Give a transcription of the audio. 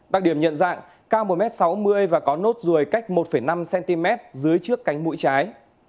đặc điểm nhận dạng cao một m sáu mươi và có nốt ruồi cách một năm cm dưới trước cánh mũi trái